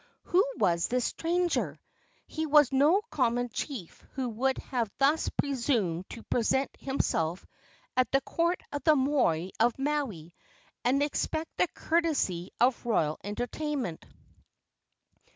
Who was this stranger? He was no common chief who would have thus presumed to present himself at the court of the moi of Maui and expect the courtesy of royal entertainment.